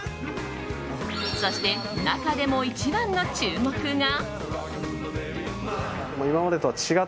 そして中でも一番の注目が。